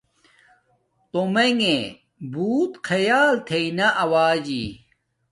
تومنݣ بوت خیال تھݵ نا آوجی